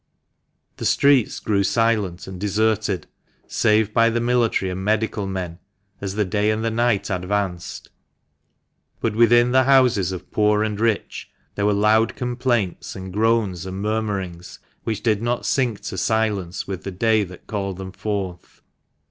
The streets grew silent and deserted, save by the military and medical men, as the day and the night advanced ; but within the houses of poor and rich there were loud complaints and groans, and murmurings, which did not sink to silence with the day that called them forth.